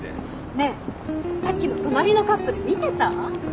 ねえさっきの隣のカップル見てた？